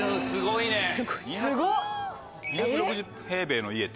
すごいよ。